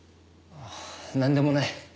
なんでもない。